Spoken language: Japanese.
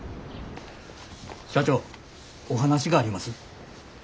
社長お話があります。